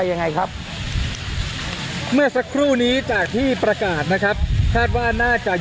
ทางกลุ่มมวลชนทะลุฟ้าทางกลุ่มมวลชนทะลุฟ้า